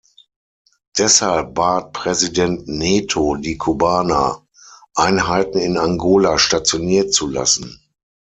Deshalb bat Präsident Neto die Kubaner, Einheiten in Angola stationiert zu lassen.